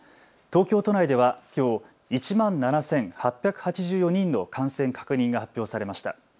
東京都内ではきょう１万７８８４人の感染確認が発表されました。